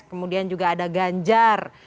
kemudian juga ada ganjar